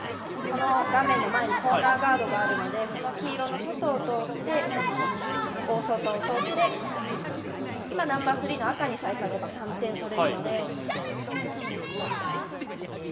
画面の前にコーナーガードがあるのでその黄色の外を通って大外を通って今ナンバースリーの赤にさえ勝てば３点取れるので。